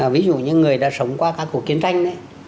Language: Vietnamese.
ví dụ như người đã sống qua các cuộc chiến tranh